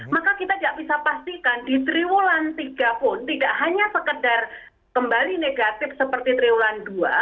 maka kita tidak bisa pastikan di triwulan tiga pun tidak hanya sekedar kembali negatif seperti triwulan dua